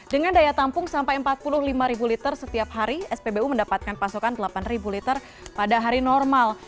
dengan daya tampung sampai empat puluh lima liter setiap hari spbu mendapatkan pasokan delapan liter pada hari normal